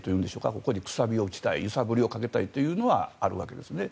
ここに楔を打ちたい揺さぶりをかけたいというのはあるわけですね。